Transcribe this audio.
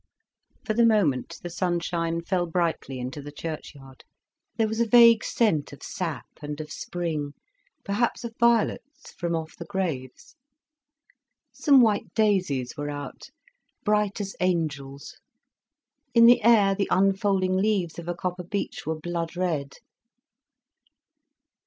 For the moment, the sunshine fell brightly into the churchyard, there was a vague scent of sap and of spring, perhaps of violets from off the graves. Some white daisies were out, bright as angels. In the air, the unfolding leaves of a copper beech were blood red.